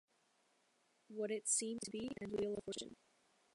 What It Seemed to Be" and "Wheel of Fortune".